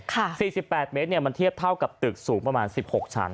สี่สิบแปดเมตรเนี่ยมันเทียบเท่ากับตึกสูงประมาณ๑๖ชั้น